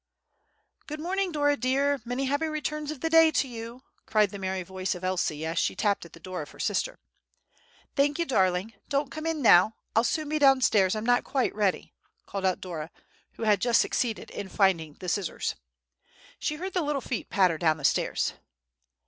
"Good morning, Dora dear, many happy returns of the day to you!" cried the merry voice of Elsie, as she tapped at the door of her sister. "Thank you, darling, don't come in now; I'll soon be down stairs—I'm not quite ready!" called out Dora, who had just succeeded in finding the scissors. She heard the little feet patter down the stairs.